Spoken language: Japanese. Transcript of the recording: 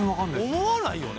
思わないよね